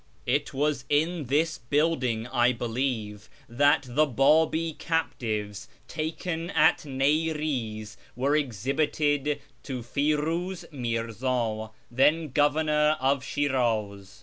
It was in this building, I believe, that the Babi captives taken at Ni'riz were exhibited to Firiiz Mi'rza, then governor of Shiraz.